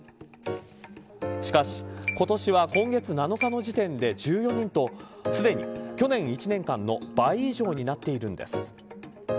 しかし今年は今月７日の時点で１４人とすでに、去年１年間の倍以上になっているんです。